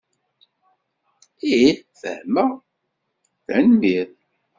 Ih, fehmeɣ. Tanemmirt.